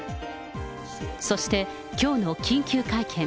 そして、きょうの緊急会見。